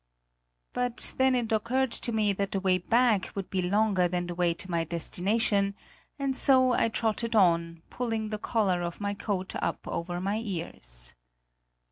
But then it occurred to me that the way back would be longer than the way to my destination; and so I trotted on, pulling the collar of my coat up over my ears.